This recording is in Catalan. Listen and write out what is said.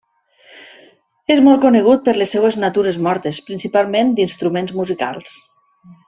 És molt conegut per les seues natures mortes, principalment d'instruments musicals.